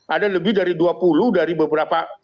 ada lebih dari dua puluh dari beberapa